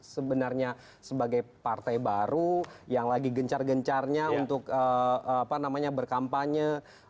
sebenarnya sebagai partai baru yang lagi gencar gencarnya untuk berkampanye